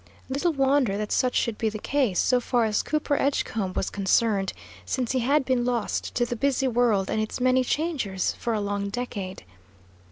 Little wonder that such should be the case, so far as Cooper Edgecombe was concerned, since he had been lost to the busy world and its many changes for a long decade.